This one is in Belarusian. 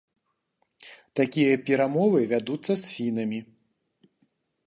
Такія перамовы вядуцца з фінамі.